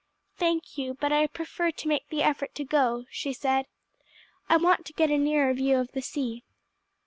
"Thank you, but I prefer to make the effort to go," she said; "I want to get a nearer view of the sea."